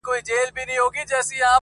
• زما هغـه ســـترگو ته ودريـــږي.